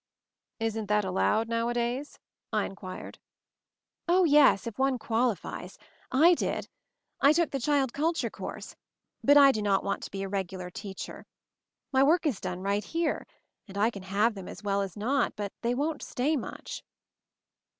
"Isn't that allowed nowadays ?"I inquired. "O, yes; if one qualifies. I did. I took the child culture course, but I do not want to be a regular teacher. My work is done 154 MOVING THE MOUNTAIN right here, and I can have them as well as not, but they won't stay much."